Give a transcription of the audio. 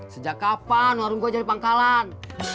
sejak kapan warung gue jadi pangkalan